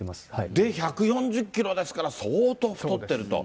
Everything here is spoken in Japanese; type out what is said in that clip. で、１４０キロですから、相当太ってると。